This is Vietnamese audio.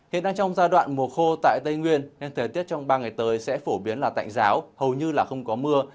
hiện đang trong giai đoạn mùa khô tại tây nguyên nên thời tiết trong ba ngày tới sẽ phổ biến là tạnh giáo hầu như là không có mưa